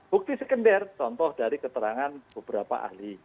bukti sekender contoh dari keterangan beberapa ahli